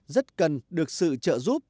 rất cần được sự trợ giúp